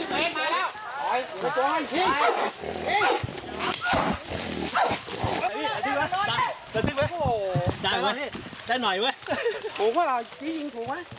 มาแล้ว